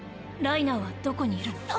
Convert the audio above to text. ライナーはどこにいるの？